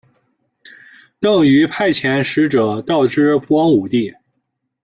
邓禹派遣使者告知光武帝。